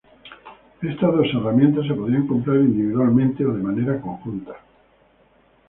Estas dos herramientas se podían comprar individualmente o de manera conjunta.